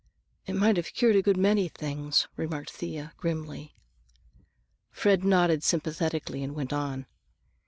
"It might have cured a good many things," remarked Thea grimly. Fred nodded sympathetically and went on.